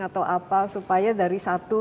atau apa supaya dari satu